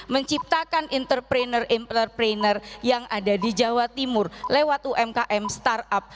menciptakan entrepreneur entrepreneur yang ada di jawa timur lewat umkm startup